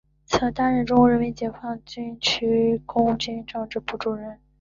曾任中国人民解放军北京军区空军政治部主任。